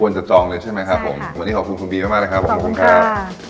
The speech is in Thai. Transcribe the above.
ควรจะจองเลยใช่ไหมคร่ะผมวันนี้ขอบคุณคุณบีมากครับคุณคุณค่ะขอบคุณฟุอร์